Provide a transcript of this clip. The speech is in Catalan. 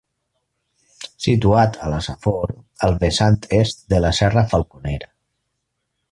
Situat a la Safor, al vessant est de la serra Falconera.